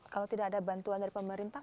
kalau tidak ada bantuan dari pemerintah